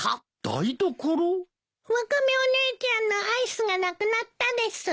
ワカメお姉ちゃんのアイスがなくなったです。